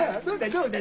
どうだ？